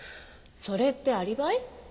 それってアリバイ？